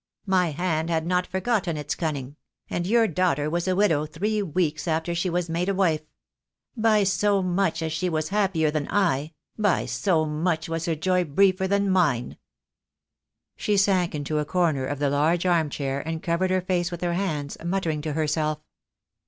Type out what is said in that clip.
My hand had not forgotten its cunning; and your daughter was a widow three weeks after she was made a wife. By so much as she was happier than I, by so much was her joy briefer than mine." She sank into a corner of the large armchair and covered her face with her hands, muttering to herself.